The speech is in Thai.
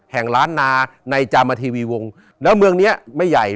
ล้านนาในจามทีวีวงแล้วเมืองเนี้ยไม่ใหญ่